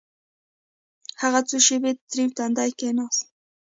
هغه څو شېبې تريو تندى کښېناست.